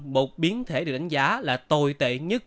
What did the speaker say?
một biến thể được đánh giá là tồi tệ nhất